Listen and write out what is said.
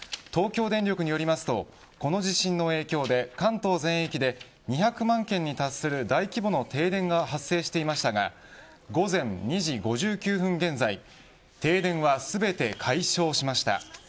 東京電力によりますとこの地震の影響で関東全域で２００万軒に達する大規模な停電が発生していましたが午前２時５９分現在停電は全て解消しました。